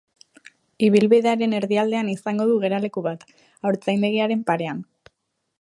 Ibilbidearen erdialdean izango du geraleku bat, haurtzaindegiaren parean.